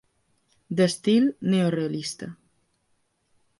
D'estil neorealista.